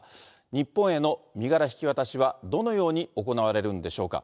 日本への身柄引き渡しはどのように行われるんでしょうか。